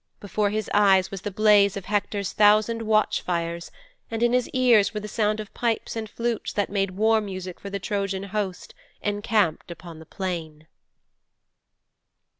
Before his eyes was the blaze of Hector's thousand watch fires and in his ears were the sound of pipes and flutes that made war music for the Trojan host encamped upon the plain.'